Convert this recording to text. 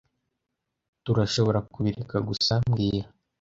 Tturashoborakubireka gusa mbwira